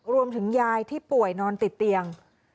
รวมถึงยายที่ป่วยนอนติดเตียง